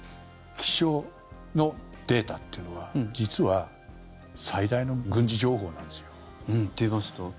気象のデータっていうのは実は最大の軍事情報なんですよ。といいますと？